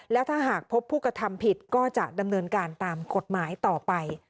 แล้วถ้าหากพบผู้กระทำผิดก็จะดำเนินการตามกฎหมายต่อไป